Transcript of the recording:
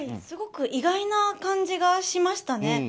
すごく意外な感じがしましたね。